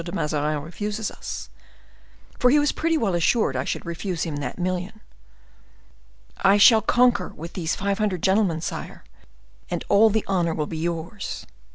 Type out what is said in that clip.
de Mazarin refuses us,'—for he was pretty well assured I should refuse him that million.—'I shall conquer with these five hundred gentlemen, sire, and all the honor will be yours.